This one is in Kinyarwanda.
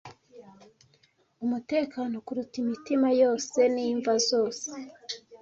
umutekano kuruta imitima yose n'imva zose